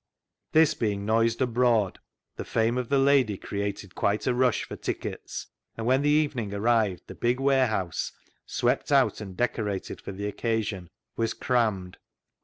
This being noised abroad the fame of the lady created quite a rush for tickets, and when the evening arrived the big warehouse, swept 342 CLOG SHOP CHRONICLES out and decorated for the occasion, was crammed.